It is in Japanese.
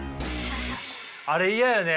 あれ嫌やね。